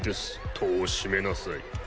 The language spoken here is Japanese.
戸を閉めなさい。